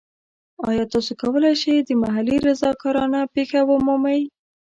ایا تاسو کولی شئ د محلي رضاکارانه پیښه ومومئ؟